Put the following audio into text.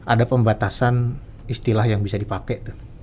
ada pembatasan istilah yang bisa dipakai